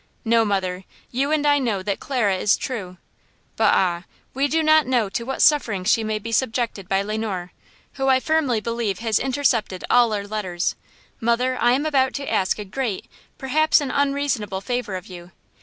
No, mother, you and I know that Clara is true! But ah! we do not know to what sufferings she may be subjected by Le Noir, who I firmly believe has intercepted all our letters. Mother, I am about to ask a great, perhaps an unreasonable, favor of you!